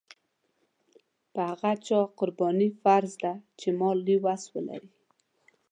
په هغه چا قرباني فرض ده چې مالي وس ولري.